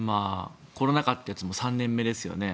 コロナ禍というやつも３年目ですよね。